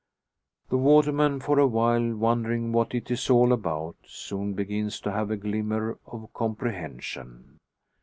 The waterman, for a while wondering what it is all about, soon begins to have a glimmer of comprehension.